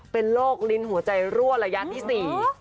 เป็นโรคลิ้นหัวใจรั่วระยะที่๔